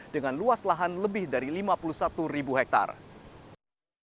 dengan luas lahan lebih dari lima puluh satu ribu hektare